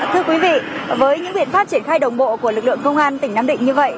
thưa quý vị với những biện pháp triển khai đồng bộ của lực lượng công an tỉnh nam định như vậy